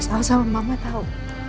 saya tahu sama mama tahu